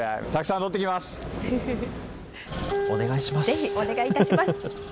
ぜひお願いいたします。